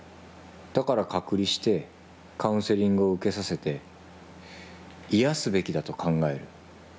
だから隔離してカウンセリングを受けさせて癒やすべきだと考える。